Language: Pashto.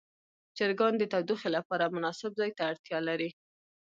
چرګان د تودوخې لپاره مناسب ځای ته اړتیا لري.